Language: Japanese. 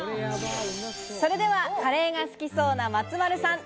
それでは、カレーが好きそうな松丸さん。